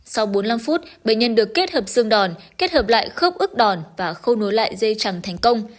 sau bốn mươi năm phút bệnh nhân được kết hợp xương đòn kết hợp lại khớp ước đòn và khâu nối lại dây chẳng thành công